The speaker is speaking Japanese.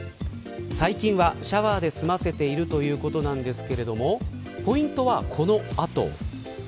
最近はシャワーで済ませているということなんですけれどもポイントはこの後。